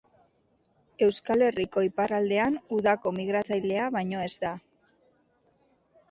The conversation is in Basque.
Euskal Herriko iparraldean udako migratzailea baino ez da.